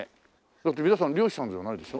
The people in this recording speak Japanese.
だって皆さん漁師さんじゃないでしょ？